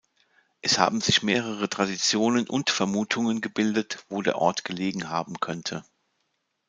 Es haben sich mehrere Traditionen und Vermutungen gebildet, wo der Ort gelegen haben könnte.